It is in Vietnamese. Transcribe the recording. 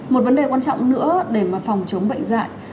một vấn đề quan trọng nữa để mà phòng chống bệnh dạy